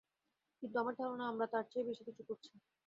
কিন্তু আমার ধারণা আমরা তার চেয়ে বেশি কিছু করছি।